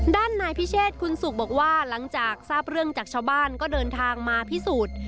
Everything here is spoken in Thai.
ด้านนายพิเชษคุณสุกบอกว่าหลังจากทราบเรื่องจากชาวบ้านก็เดินทางมาพิสูจน์